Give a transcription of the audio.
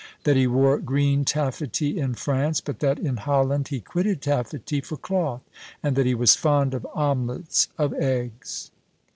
That he wore green taffety in France: but that in Holland he quitted taffety for cloth; and that he was fond of omelets of eggs?